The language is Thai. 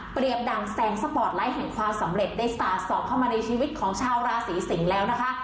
ดั่งแสงสปอร์ตไลท์แห่งความสำเร็จได้สาดสอบเข้ามาในชีวิตของชาวราศีสิงศ์แล้วนะคะ